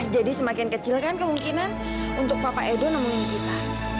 semakin kecil kan kemungkinan untuk papa edo nemuin kita